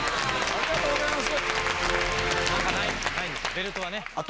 ⁉ありがとうございます。